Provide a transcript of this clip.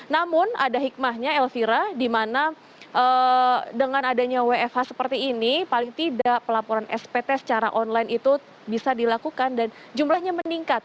namun ada hikmahnya elvira di mana dengan adanya wfh seperti ini paling tidak pelaporan spt secara online itu bisa dilakukan dan jumlahnya meningkat